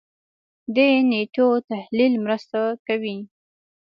دې نېټو تحلیل مرسته کوي.